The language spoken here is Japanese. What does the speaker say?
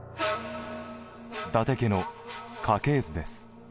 伊達家の家系図です。